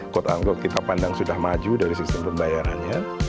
quote unquote kita pandang sudah maju dari sistem pembayarannya